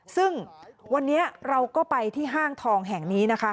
ซึ่งวันนี้เราก็ไปที่ห้างทองแห่งนี้นะคะ